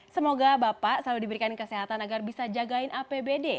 semoga bapak selalu diberikan kesehatan agar bisa jagain apbd